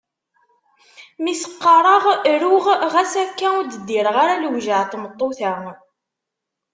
Mi t-qqareɣ ruɣ ɣas akka ur d-ddireɣ ara lewjeɛ n tmeṭṭut-a.